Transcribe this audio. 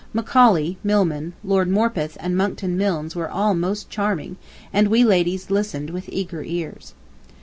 Macaulay, Milman, Lord Morpeth and Monckton Milnes were all most charming, and we ladies listened with eager ears.